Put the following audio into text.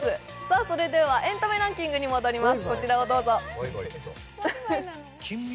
それではエンタメランキングに戻ります。